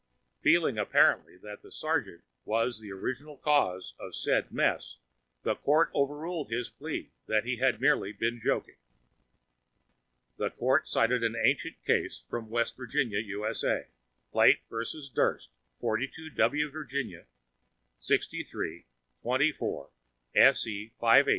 Feeling apparently that the sergeant was the original cause of said mess, the Court overruled his plea that he had merely been joking. The Court cited an ancient case from West Virginia, U.S.A. Plate v. Durst, 42 W. Va. 63, 24 SE 580, 32 L.R.